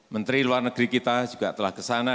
menteri luar negeri kita juga telah kesana